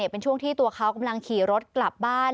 เป็นช่วงที่ตัวเขากำลังขี่รถกลับบ้าน